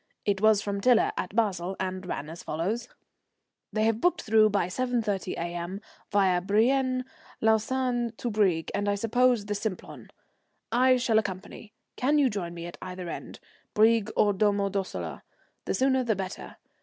It was from Tiler at Basle, and ran as follows: "They have booked through by 7.30 A.M., via Brienne, Lausanne to Brieg, and I suppose the Simplon. I shall accompany. Can you join me at either end Brieg or Domo Dossola? The sooner the better.